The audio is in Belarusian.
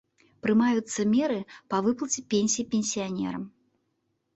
Прымаюцца меры па выплаце пенсій пенсіянерам.